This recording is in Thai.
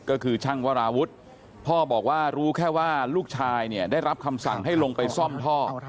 ก็คือช่างวราวุฒิพ่อบอกว่ารู้แค่ว่าลูกชายเนี่ยได้รับคำสั่งให้ลงไปซ่อมท่อ